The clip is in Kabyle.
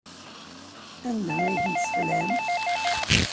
Anda ay ten-tesxelɛemt?